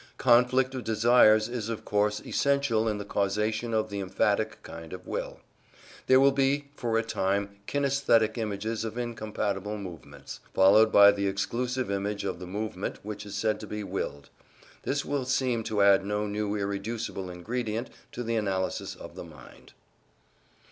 Conflict of desires is of course essential in the causation of the emphatic kind of will: there will be for a time kinaesthetic images of incompatible movements, followed by the exclusive image of the movement which is said to be willed. Thus will seems to add no new irreducible ingredient to the analysis of the mind.